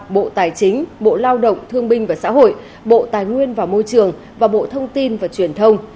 bộ tài chính bộ lao động thương binh và xã hội bộ tài nguyên và môi trường và bộ thông tin và truyền thông